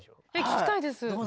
聴きたいです。